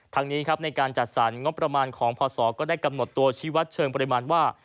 ทางนี้ครับในการจัดสรรงบประมาณของพศก็ได้กำหนดตัวชีวัตรเชิงปริมาณว่า